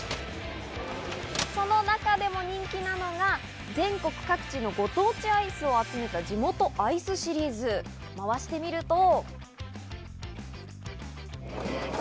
その中でも人気なのが全国各地のご当地アイスを集めた地元アイスシリーズ。回してみると。